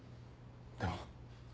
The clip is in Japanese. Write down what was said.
でも。